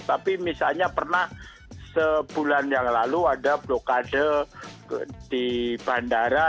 tapi misalnya pernah sebulan yang lalu ada blokade di bandara